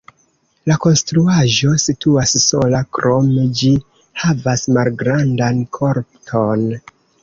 La konstruaĵo situas sola, krome ĝi havas malgrandan korton.